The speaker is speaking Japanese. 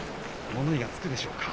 物言いがつくでしょうか。